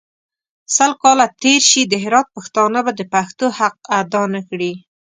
سل کاله تېر سي د هرات پښتانه به د پښتو حق اداء نکړي.